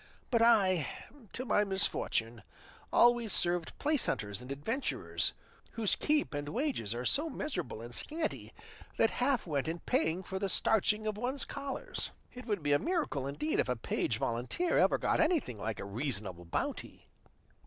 But I, to my misfortune, always served place hunters and adventurers, whose keep and wages were so miserable and scanty that half went in paying for the starching of one's collars; it would be a miracle indeed if a page volunteer ever got anything like a reasonable bounty."